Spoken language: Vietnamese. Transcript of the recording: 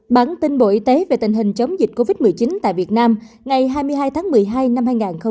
bản tin bộ y tế về tình hình chống dịch covid một mươi chín tại việt nam ngày hai mươi hai tháng một mươi hai năm hai nghìn hai mươi